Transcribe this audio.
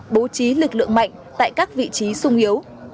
bố trí lực lượng mạnh tại các vị trí sung yếu